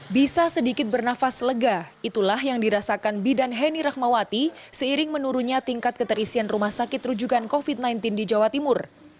bisa sedikit bernafas lega itulah yang dirasakan bidan heni rahmawati seiring menurunnya tingkat keterisian rumah sakit rujukan covid sembilan belas di jawa timur